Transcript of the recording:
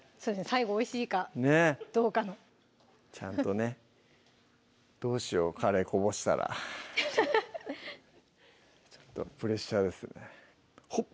最後おいしいかどうかのちゃんとねどうしようカレーこぼしたらフフフッちょっとプレッシャーですよねほっ！